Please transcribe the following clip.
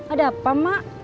ada apa mak